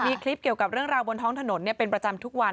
มีคลิปเกี่ยวกับเรื่องราวบนท้องถนนเป็นประจำทุกวัน